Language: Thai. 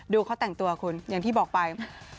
เขาแต่งตัวคุณอย่างที่บอกไป